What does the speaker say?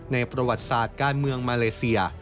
ประวัติศาสตร์การเมืองมาเลเซีย